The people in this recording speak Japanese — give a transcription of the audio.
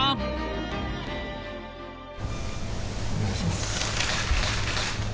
お願いします。